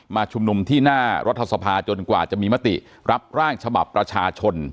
ชุมนุมที่หน้ารัฐสภาจนกว่าจะมีมติรับร่างฉบับประชาชน